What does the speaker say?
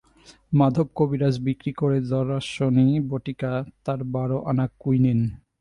মাধব কবিরাজ বিক্রি করে জ্বরাশনি বটিকা, তার বারো-আনা কুইনীন।